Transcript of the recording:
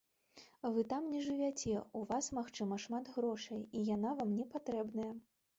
Вы там не жывяце, у вас, магчыма, шмат грошай, і яна вам не патрэбная.